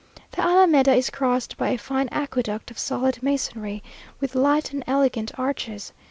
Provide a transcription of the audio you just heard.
The alameda is crossed by a fine aqueduct of solid masonry, with light and elegant arches.